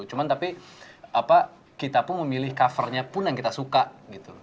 cuman tapi kita pun memilih covernya pun yang kita suka gitu